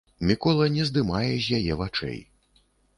Мікола не здымае з яе вачэй.